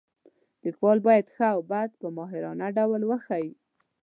لیکوال باید ښه او بد په ماهرانه ډول وښایي.